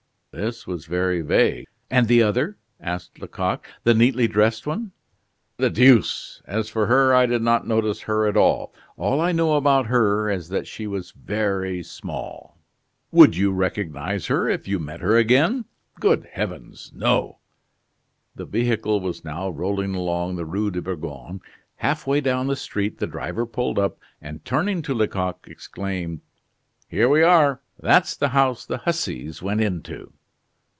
This was very vague. "And the other," asked Lecoq, "the neatly dressed one?" "The deuce! As for her, I did not notice her at all; all I know about her is that she was very small." "Would you recognize her if you met her again?" "Good heavens! no." The vehicle was now rolling along the Rue de Bourgogne. Half way down the street the driver pulled up, and, turning to Lecoq, exclaimed: "Here we are. That's the house the hussies went into."